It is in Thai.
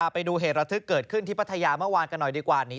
ไปดูเหตุระทึกเกิดขึ้นที่พัทยาเมื่อวานกันหน่อยดีกว่านี้